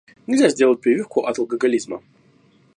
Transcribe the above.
Нельзя сделать прививку от алкоголизма.